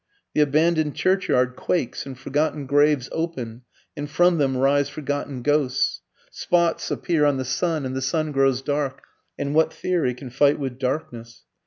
The abandoned churchyard quakes and forgotten graves open and from them rise forgotten ghosts. Spots appear on the sun and the sun grows dark, and what theory can fight with darkness?